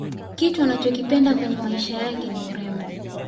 kitu anachokipenda kwenye maisha yake ni urembo